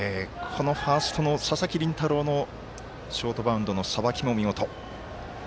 ファーストの佐々木麟太郎のショートバウンドのさばきも見事。